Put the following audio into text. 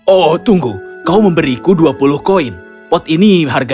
oh tunggu kau memberiku dua puluh koin pot ini harganya lima koin saja oh terima kasih banyak